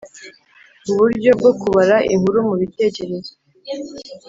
Uburyo bwo kubara inkuru mu bitekerezo